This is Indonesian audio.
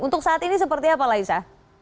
untuk saat ini seperti apa laisa